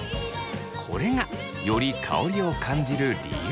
これがより香りを感じる理由です。